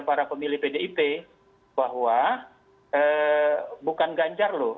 para pemilih pdip bahwa bukan ganjar loh